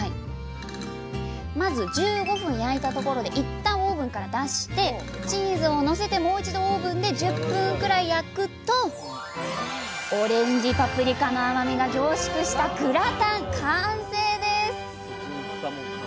まず１５分焼いたところでいったんオーブンから出してチーズをのせてもう一度オーブンで１０分くらい焼くとオレンジパプリカの甘みが凝縮したグラタン完成です！